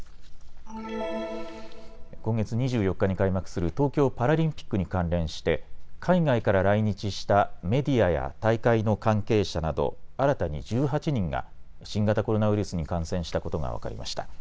今月２４日に開幕する東京パラリンピックに関連して海外から来日したメディアや大会の関係者など、新たに１８人が新型コロナウイルスに感染したことが分かりました。